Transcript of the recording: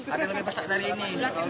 ada yang lebih besar dari ini